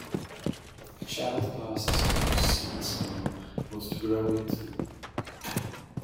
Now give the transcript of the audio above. A child asks how seeds know what to grow into.